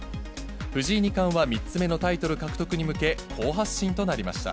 藤井二冠は３つ目のタイトル獲得に向け、好発進となりました。